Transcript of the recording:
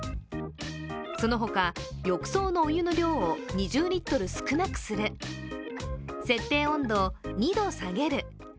その他、浴槽のお湯の量を２０リットル少なくする、設定温度を２度下げる。